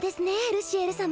ルシエル様